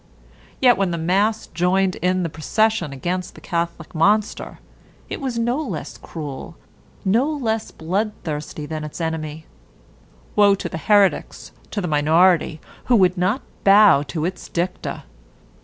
Yet when the mass joined in the procession against the Catholic monster, it was no less cruel, no less bloodthirsty than its enemy. Woe to the heretics, to the minority, who would not bow to its dicta.